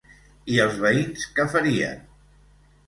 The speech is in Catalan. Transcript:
I els veïns què farien?